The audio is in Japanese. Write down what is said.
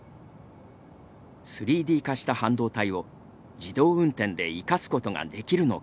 ３Ｄ化した半導体を自動運転で生かすことができるのか。